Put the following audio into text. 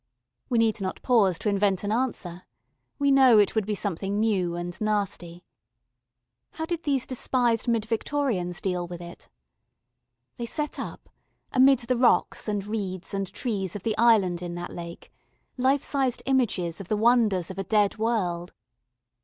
We need not pause to invent an answer. We know it would be something new and nasty. How did these despised mid Victorians deal with it? They set up, amid the rocks and reeds and trees of the island in that lake, life sized images of the wonders of a dead world.